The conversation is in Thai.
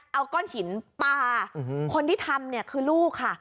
เอาก้อนหินปลาคนที่ทำเนี่ยคือลูกค่ะ